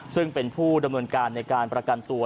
ซึ่งเป็นผู้ดำเนินการในการประกันตัว